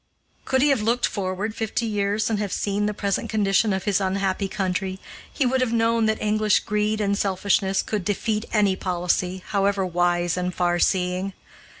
Could he have looked forward fifty years and have seen the present condition of his unhappy country, he would have known that English greed and selfishness could defeat any policy, however wise and far seeing.